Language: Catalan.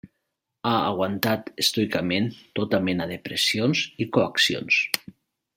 Ha aguantat estoicament tota mena de pressions i coaccions.